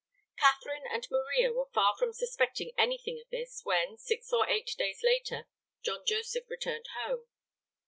Catherine and Maria were far from suspecting anything of this when, six or eight days later, John Joseph returned home.